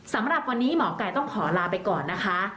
สำหรับวันนี้หมอไก่ต้องขอลาไปก่อนนะคะ